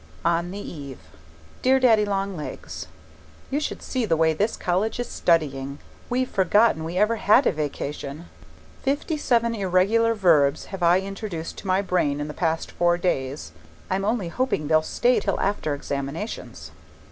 On the Eve Dear Daddy Long Legs, You should see the way this college is studying! We've forgotten we ever had a vacation. Fifty seven irregular verbs have I introduced to my brain in the past four days I'm only hoping they'll stay till after examinations.